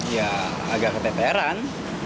ya agak keteperan